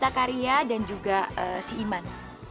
takarya dan juga si iman